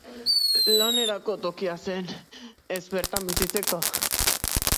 Lanerako tokia zen, ez bertan bizitzeko.